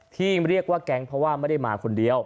ที่เรียกว่าแก๊งเพราะว่าไม่ได้มาคนเดียว